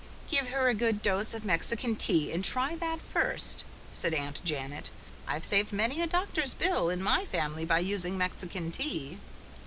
"Give her a good dose of Mexican Tea and try that first," said Aunt Janet. "I've saved many a doctor's bill in my family by using Mexican Tea."